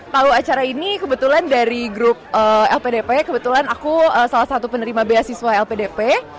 lalu acara ini kebetulan dari grup lpdp kebetulan aku salah satu penerima beasiswa lpdp